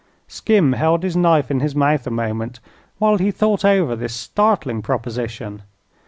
Skim held his knife in his mouth a moment while he thought over this startling proposition.